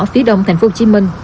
phía đông tp hcm